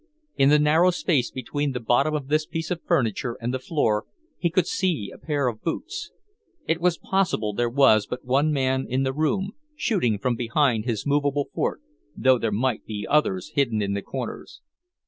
In the narrow space between the bottom of this piece of furniture and the floor, he could see a pair of boots. It was possible there was but one man in the room, shooting from behind his movable fort, though there might be others hidden in the corners.